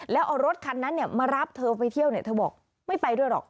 แล้วเอารถคันนั้นมารับเธอไปเที่ยวเธอบอกไม่ไปด้วยหรอก